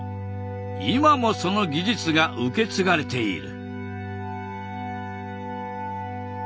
今もその技術が受け継がれている。